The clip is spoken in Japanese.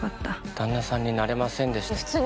旦那さんになれませんでした。